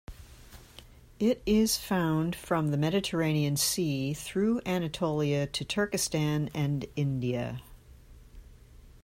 It is found from the Mediterranean Sea, through Anatolia to Turkestan and India.